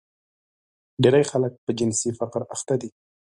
ډېری خلک په جنسي فقر اخته دي.